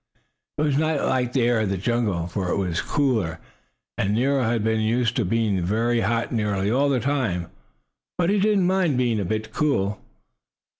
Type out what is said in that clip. It was not like the air of the jungle, for it was cooler, and Nero had been used to being very hot nearly all the time. But he did not mind being a bit cool.